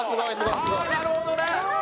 ああなるほどね！